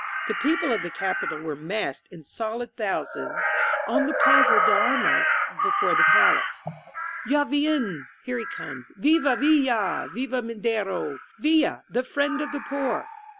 The people of the capital were massed in solid thousands on the Plaza de Armas before the palace. lis INSURGENT MEXICO ''Taviener "Here he comes ^ "Viva ViUa P' "Viva Madero r "ViUa, the Friend of the Poor